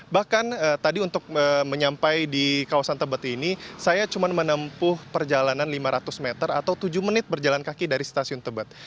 bahkan tadi untuk menyampai di kawasan tebet ini saya cuma menempuh perjalanan lima ratus meter atau tujuh menit berjalan kaki dari stasiun tebet